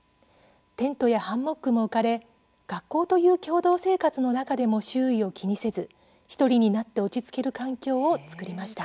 テントやハンモックも置かれ学校という共同生活の中でも周囲を気にせず、１人になって落ち着ける環境を作りました。